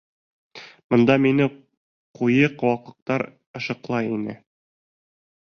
Бында мине ҡуйы ҡыуаҡлыҡтар ышыҡлай ине.